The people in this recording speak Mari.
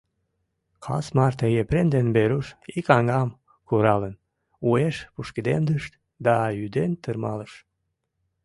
Кас марте Епрем ден Веруш ик аҥам, куралын, уэш пушкыдемдышт да ӱден тырмалыш.